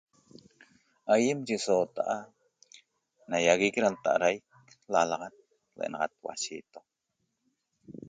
Ayem yi so'ota'a na yaguec da ltadaic lalaxat l'enaxat huashiito